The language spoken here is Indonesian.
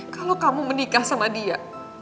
kalau kamu menikah sama dia